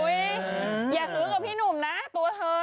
อย่าซื้อกับพี่หนุ่มนะตัวเธอ